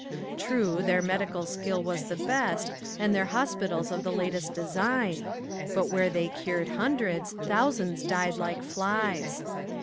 True, their medical skill was the best and their hospitals of the latest design, but where they cured hundreds thousands died like flies.